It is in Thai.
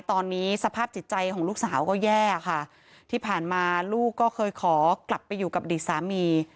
ตอนนี้สภาพจิตใจของลูกสาวก็แย่ค่ะที่ผ่านมาลูกก็เคยขอกลับไปอยู่กับอดีตสามี